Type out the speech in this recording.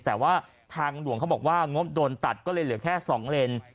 แต่ว่าทางหลวงเขาบอกว่างบโดนตัดก็เลยเหลือแค่๒เลน